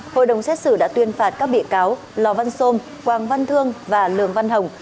hội đồng xét xử đã tuyên phạt các bị cáo lò văn sôm quang văn thương và lường văn hồng